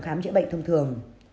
khám chữa bệnh thông thường